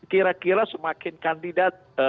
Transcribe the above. kira kira semakin kandidat